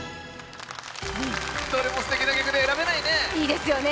どれもすてきな曲で選べないね